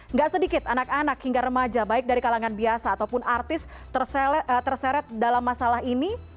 nggak sedikit anak anak hingga remaja baik dari kalangan biasa ataupun artis terseret dalam masalah ini